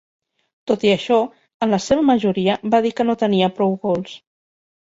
Tot i això, en la seva majoria va dir que no tenia prou gols.